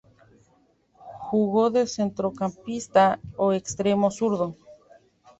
Jugó de centrocampista o extremo zurdo.